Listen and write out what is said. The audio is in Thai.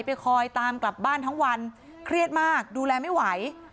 ไปคอยตามกลับบ้านทั้งวันเครียดมากดูแลไม่ไหว